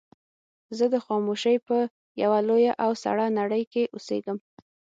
زه د خاموشۍ په يوه لويه او سړه نړۍ کې اوسېږم.